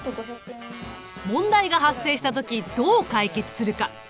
問題が発生した時どう解決するか。